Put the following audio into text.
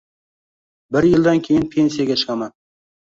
bir yildan keyin pensiyaga chiqaman.